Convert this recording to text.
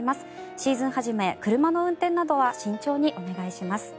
シーズン初め、車の運転などは慎重にお願いします。